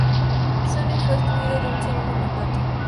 Sarney fue excluido de un segundo mandato.